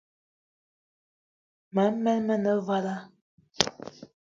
Mema men ane vala,